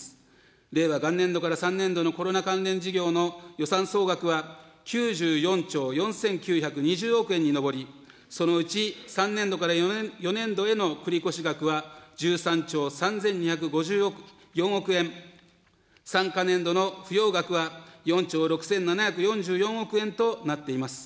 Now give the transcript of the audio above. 令和元年度から３年度のコロナ関連事業の予算総額は９４兆４９２０億円に上り、そのうち３年度から４年度への繰越額は１３兆３２５４億円、３か年度の不用額は４兆６７４４億円となっています。